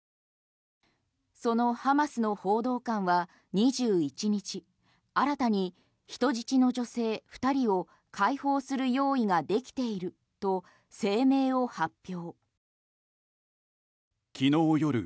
そのハマスの報道官は２１日新たに人質の女性２人を解放する用意ができていると声明を発表。